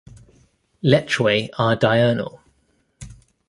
Lechwe are diurnal.